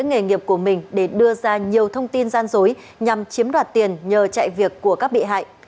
sang đã lấy danh nghiệp của mình để đưa ra nhiều thông tin gian dối nhằm chiếm đoạt tiền nhờ chạy việc của các bị hại